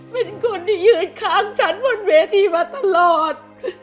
เป็นคนที่ยืนข้างฉันบนเวทีมาตลอด